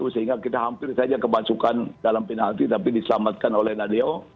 sehingga kita hampir saja kemasukan dalam penalti tapi diselamatkan oleh nadeo